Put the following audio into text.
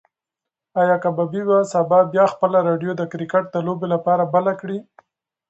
ایا کبابي به سبا بیا خپله راډیو د کرکټ د لوبې لپاره بله کړي؟